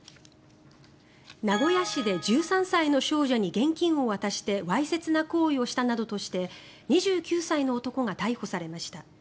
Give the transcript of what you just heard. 名古屋市で１３歳の少女に現金を渡してわいせつな行為をしたなどとして２９歳の男が逮捕されました。